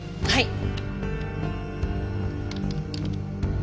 はい。